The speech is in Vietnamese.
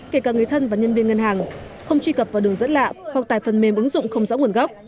kể cả người thân và nhân viên ngân hàng không truy cập vào đường dẫn lạ hoặc tải phần mềm ứng dụng không rõ nguồn gốc